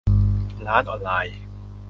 ร้านออนไลน์